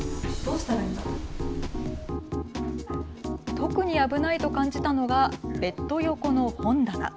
特に危ないと感じたのがベッド横の本棚。